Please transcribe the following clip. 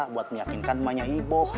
buat meyakinkan emangnya ibu